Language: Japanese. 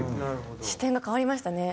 視点が変わりましたね。